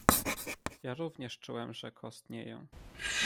"Ja również czułem, że kostnieję."